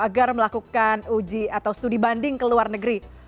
agar melakukan uji atau studi banding ke luar negeri